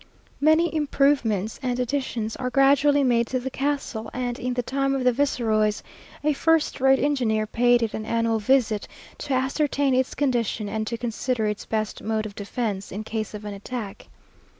Many improvements and additions are gradually made to the castle; and, in the time of the viceroys, a first rate engineer paid it an annual visit, to ascertain its condition, and to consider its best mode of defence, in case of an attack.